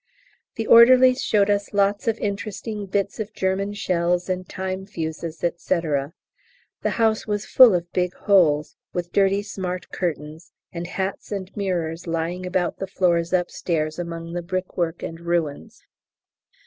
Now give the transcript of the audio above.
The orderlies showed us lots of interesting bits of German shells and time fuses, &c. The house was full of big holes, with dirty smart curtains, and hats and mirrors lying about the floors upstairs among the brickwork and ruins.